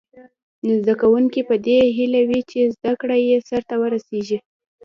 زده کوونکي په دې هیله وي چې زده کړه یې سرته ورسیږي.